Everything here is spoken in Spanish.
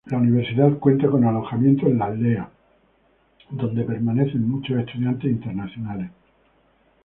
La Universidad cuenta con alojamiento en la aldea, donde permanecen muchos estudiantes internacionales.